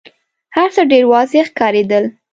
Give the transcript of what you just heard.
هرڅه ډېر واضح ښکارېدل.